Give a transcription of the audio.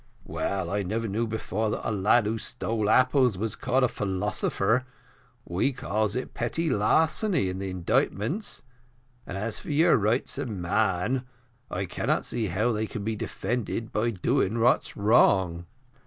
"Well, I never knew before that a lad who stole apples was called a philosopher we calls it petty larceny in the indictments; and as for your rights of man, I cannot see how they can be defended by doing what's wrong."